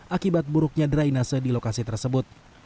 akibat buruknya drainase di lokasi tersebut